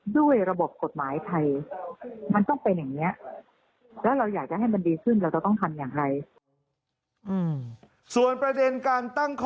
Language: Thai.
ด้วยระบบกฎหมายไทยมันต้องเป็นอย่างนี้